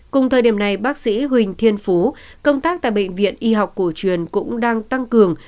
cùng thời điểm này bác sĩ huỳnh thiên phú công tác tại bệnh viện y học cổ truyền cũng đang tăng cường